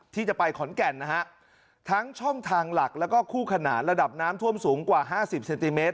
ที่จะไปขอนแก่นนะฮะทั้งช่องทางหลักแล้วก็คู่ขนานระดับน้ำท่วมสูงกว่าห้าสิบเซนติเมตร